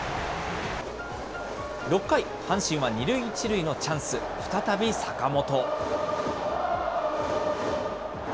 ６回、阪神は二塁一塁のチャンス、再び坂本。